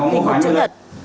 hình hồn chữ thật